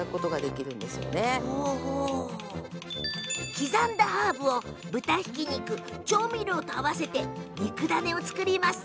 刻んだハーブを豚ひき肉、調味料と合わせて肉ダネを作ります。